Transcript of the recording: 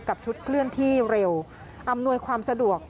กับชุดเคลื่อนที่เร็วอำนวยความสะดวก